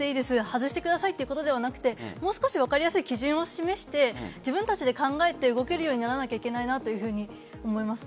外してくださいということではなくもう少し分かりやすい基準を示して自分たちで考えてつけるようにならなきゃいけないと思います。